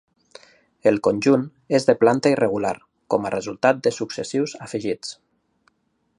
El conjunt és de planta irregular, com a resultat de successius afegits.